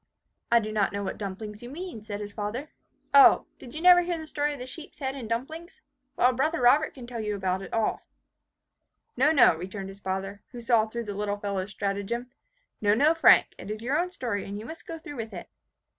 "I do not know what dumplings you mean," said his father. "O, did you never hear the story of the sheep's head and the dumplings? Well, brother Robert can tell you all about it." "No, no," returned his father, who saw through the little fellow's stratagem. "No, no, Frank, it is your own story, and you must go through with it."